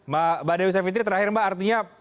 mbak adewi sefitri terakhir mbak artinya